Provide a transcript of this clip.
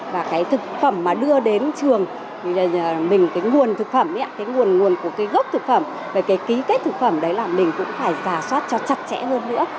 và cái thực phẩm mà đưa đến trường mình cái nguồn thực phẩm cái nguồn của cái gốc thực phẩm về cái ký kết thực phẩm đấy là mình cũng phải giả soát cho chặt chẽ hơn nữa